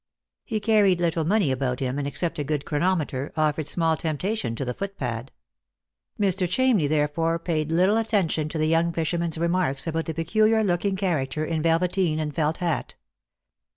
He carried little money about him, and, except a good chronometer, offered small temptation to the footpad. Mr. Chamney therefore paid little attention to the young fisherman's remarks about the peculiar looking character in velveteen and felt hat.